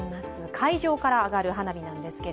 海上から上がる花火なんです。